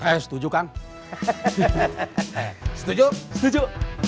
hai saya setuju kan hahaha setuju setuju